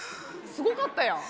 すごかったやん。